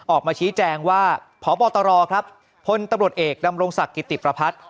ออกมาชี้แจงว่าพบตรครับพลตำรวจเอกดำรงศักดิ์กิติประพัฒน์